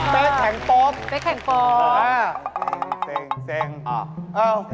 เป๊กแข็งโป๊บ